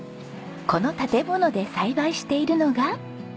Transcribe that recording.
この建物で栽培しているのが。